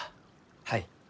はい。